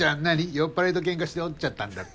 酔っ払いとケンカして折っちゃったんだって？